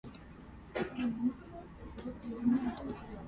秋田県潟上市